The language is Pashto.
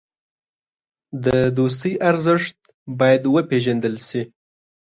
د دوستۍ ارزښت باید وپېژندل شي.